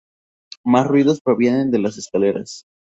Más ruidos provienen de las escaleras.